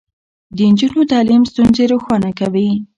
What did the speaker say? د نجونو تعليم ستونزې روښانه کوي.